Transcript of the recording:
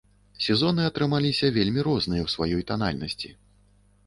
Сезоны атрымаліся вельмі розныя ў сваёй танальнасці.